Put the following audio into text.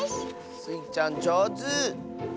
スイちゃんじょうず！